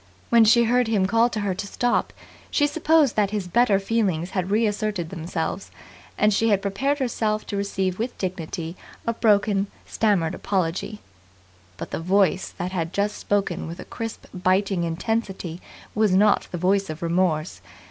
When she heard him call to her to stop, she supposed that his better feelings had reasserted themselves; and she had prepared herself to receive with dignity a broken, stammered apology. But the voice that had just spoken with a crisp, biting intensity was not the voice of remorse.